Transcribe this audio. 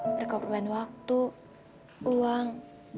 berkorban waktu uang